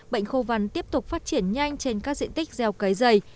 bệnh khô vắn tiếp tục phát triển nhanh trên các diện tích gieo cấy dày